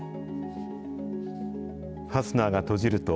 ファスナーが閉じると、